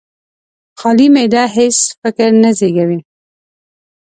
خالي معده هېڅ فکر نه زېږوي.